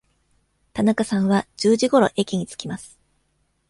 田中さんは十時ごろ駅に着きます。